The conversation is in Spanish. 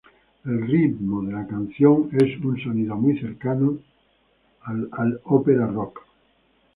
El ritmo de la canción es un sonido muy cercano al ópera rock.